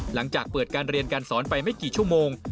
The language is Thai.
หลังจากเปิดการเรียนการสอนไปไม่กี่ชั่วโมง